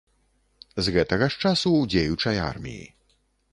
З гэтага ж часу ў дзеючай арміі.